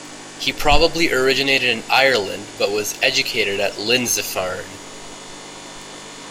He probably originated in Ireland but was educated at Lindisfarne.